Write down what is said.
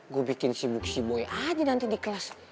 gue bikin sibuk si boy aja nanti di kelas